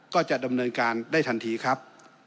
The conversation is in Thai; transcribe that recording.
ก็จะดำเนินการได้ทันทีครับ